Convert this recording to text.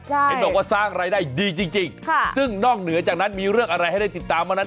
เห็นบอกว่าสร้างรายได้ดีจริงซึ่งนอกเหนือจากนั้นมีเรื่องอะไรให้ได้ติดตามบ้างนั้น